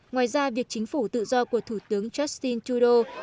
ngoài ra việc chính phủ tự do của thủ tướng justin trudeau